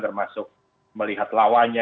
termasuk melihat lawannya